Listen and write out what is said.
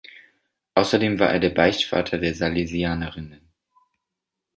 Außerdem war er der Beichtvater der Salesianerinnen.